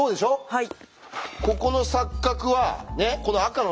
はい。